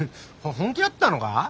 本気だったのか？